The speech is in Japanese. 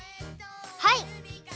はい。